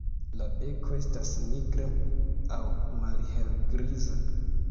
La beko estas nigra aŭ malhelgriza.